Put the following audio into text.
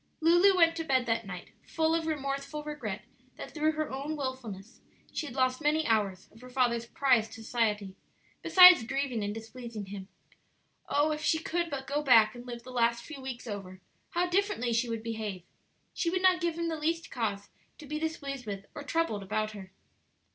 Lulu went to bed that night full of remorseful regret that through her own wilfulness she had lost many hours of her father's prized society, besides grieving and displeasing him. Oh, if she could but go back and live the last few weeks over, how differently she would behave! She would not give him the least cause to be displeased with or troubled about her.